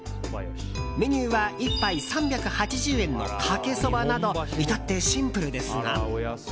メニューは１杯３８０円の、かけそばなど至ってシンプルですが。